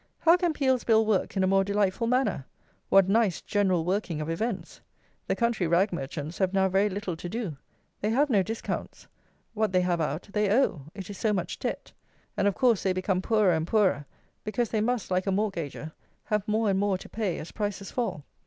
How can Peel's Bill work in a more delightful manner? What nice "general working of events!" The country rag merchants have now very little to do. They have no discounts. What they have out they owe: it is so much debt: and, of course, they become poorer and poorer, because they must, like a mortgager, have more and more to pay as prices fall.